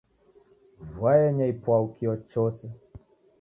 Vua yenya ipwau, kio chose